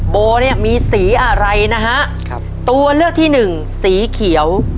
โบเนี่ยมีสีอะไรนะฮะครับตัวเลือกที่หนึ่งสีเขียว